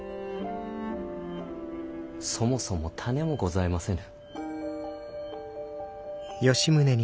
そもそも種もございませぬ。